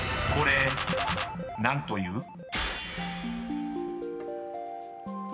［これ何という？］